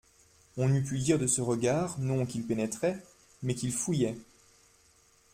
On eût pu dire de ce regard, non qu'il pénétrait, mais qu'il fouillait.